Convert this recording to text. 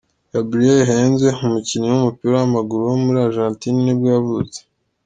Gabriel Heinze, umukinnyi w’umupira w’amaguru wo muri Argentine nibwo yavutse.